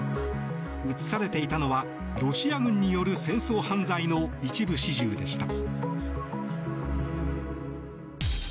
映されていたのはロシア軍による戦争犯罪の一部始終でした。